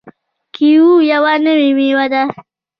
کیوي یوه نوې میوه ده.